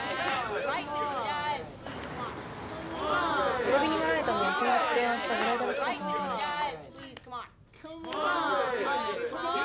お呼びになられたのは先日提案したブライダル企画の件でしょうか？